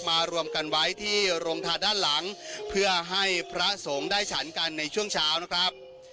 รวมกันไว้ที่โรงทาด้านหลังเพื่อให้พระสงฆ์ได้ฉันกันในช่วงเช้านะครับ